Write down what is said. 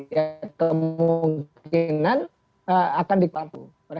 ya kemungkinan akan dikampung